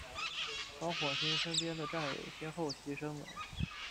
曹火星身边的战友先后牺牲了。